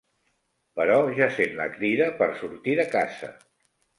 Però ja sent la crida per sortir de casa.